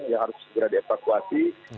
yang harus segera dievakuasi